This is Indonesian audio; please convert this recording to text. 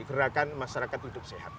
gerakan masyarakat hidup sehat